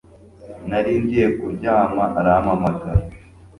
Nari ngiye kuryama arampamagara